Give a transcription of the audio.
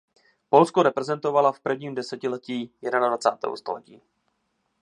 Polsko reprezentovala v prvním desetiletí jednadvacátého století.